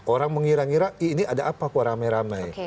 orang mengira ngira ini ada apa kok rame rame